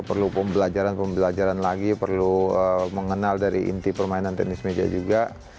perlu pembelajaran pembelajaran lagi perlu mengenal dari inti permainan tenis meja juga